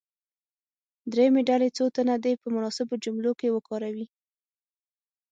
دریمې ډلې څو تنه دې په مناسبو جملو کې وکاروي.